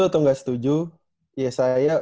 atau gak setuju yesaya